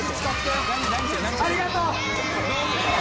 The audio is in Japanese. ありがとう！